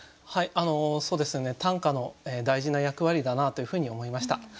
はいそうですね短歌の大事な役割だなというふうに思いました。